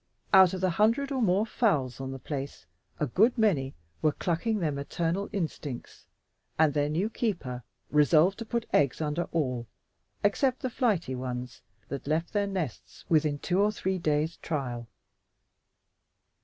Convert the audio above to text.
Out of the hundred or more fowls on the place, a good many were clucking their maternal instincts, and their new keeper resolved to put eggs under all except the flighty ones that left their nests within two or three days' trial.